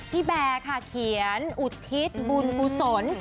แบร์ค่ะเขียนอุทิศบุญกุศล